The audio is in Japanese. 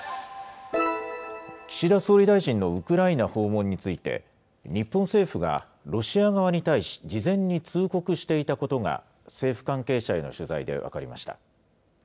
岸田総理大臣のウクライナ訪問について、日本政府が、ロシア側に対し事前に通告していたことが、政府関係者への取材で分かりました。